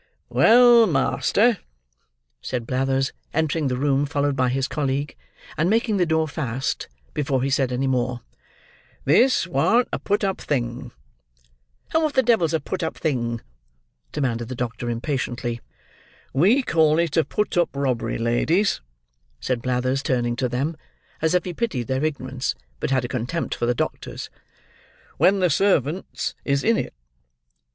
"Well, master," said Blathers, entering the room followed by his colleague, and making the door fast, before he said any more. "This warn't a put up thing." "And what the devil's a put up thing?" demanded the doctor, impatiently. "We call it a put up robbery, ladies," said Blathers, turning to them, as if he pitied their ignorance, but had a contempt for the doctor's, "when the servants is in it."